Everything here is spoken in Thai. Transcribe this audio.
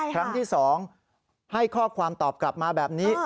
ครั้งที่๒ให้ข้อความตอบกลับมาแบบนี้